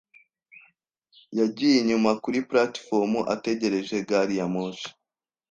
Yagiye inyuma kuri platifomu ategereje gari ya moshi.